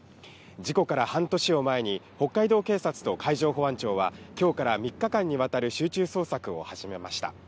事故から半年を前に、北海道警察と海上保安庁は、きょうから３日間にわたる集中捜索を始めました。